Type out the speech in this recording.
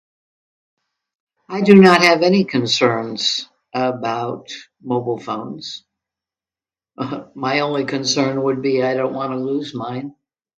I do not have any concerns about mobilephones. Uhum...My only is concern is will be I don't wanna lose mine.